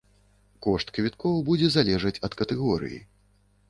Кошт квіткоў будзе залежаць ад катэгорыі.